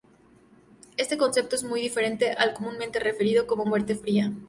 Este concepto es muy diferente al comúnmente referido como 'muerte fría'.